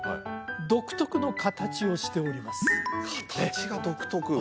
独特の形をしております形が独特？